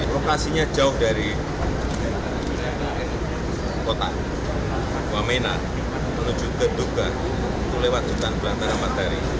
lokasinya jauh dari kota wamenang menuju ke tukga lewat hutan belantara materi